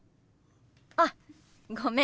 あごめん。